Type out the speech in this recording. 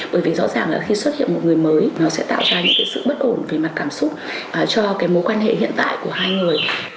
bởi vì rõ ràng là khi xuất hiện một người mới nó sẽ tạo ra những sự bất ổn về mặt cảm xúc cho mối quan hệ hiện tại của hai người